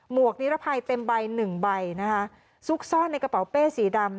วกนิรภัยเต็มใบหนึ่งใบนะคะซุกซ่อนในกระเป๋าเป้สีดำ